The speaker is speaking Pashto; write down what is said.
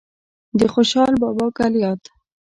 د خوشال بابا کلیات